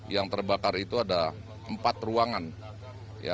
yang terbakar itu ada empat ruangan